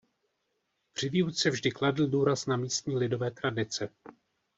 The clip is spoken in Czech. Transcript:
Při výuce vždy kladl důraz na místní lidové tradice.